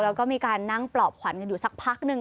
แล้วก็มีการนั่งปลอบขวัญกันอยู่สักพักหนึ่ง